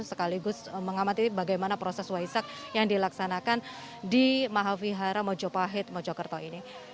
sekaligus mengamati bagaimana proses waisak yang dilaksanakan di mahavihara mojopahit mojokerto ini